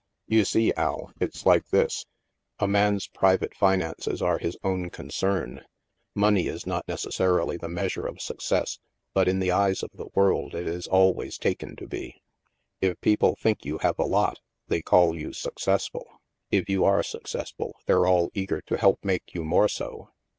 You see, Al, it's like this. A man's private finances are his own concern. Money is not necessarily the measure of success, but in the eyes of the world it is always taken to be. If people think you have a lot, they call you success ful. If you are successful, they're all eager to help make you more so.